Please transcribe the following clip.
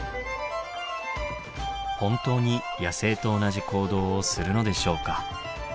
本当に野生と同じ行動をするのでしょうか？